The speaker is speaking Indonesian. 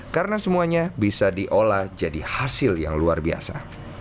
karena semuanya bisa diolah jadi hasil yang luar biasa